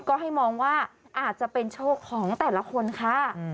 ก็ให้มองว่าอาจจะเป็นโชคของแต่ละคนค่ะ